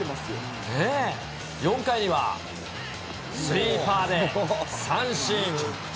４回には、スイーパーで三振。